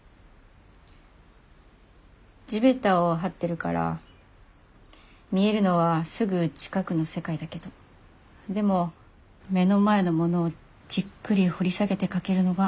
地べたをはってるから見えるのはすぐ近くの世界だけどでも目の前のものをじっくり掘り下げて書けるのが二折。